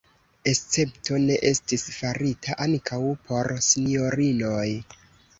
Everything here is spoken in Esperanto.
Escepto ne estis farita ankaŭ por sinjorinoj.